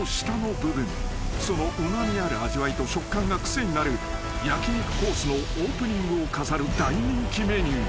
［そのうま味ある味わいと食感が癖になる焼き肉コースのオープニングを飾る大人気メニュー］